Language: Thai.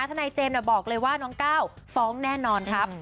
ทนายเจมส์บอกเลยว่าน้องก้าวฟ้องแน่นอนครับ